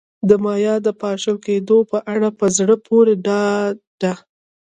د مایا د پاشل کېدو په اړه په زړه پورې دا ده